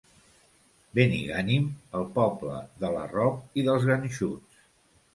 Benigànim, el poble de l'arrop i dels ganxuts.